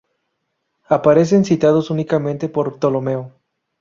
Aparecen citados únicamente por Ptolomeo.